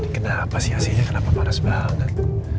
kenapa sih ac nya kenapa panas banget